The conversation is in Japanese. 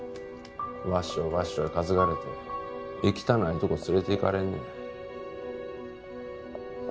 わっしょいわっしょい担がれて行きたないとこ連れて行かれんねん。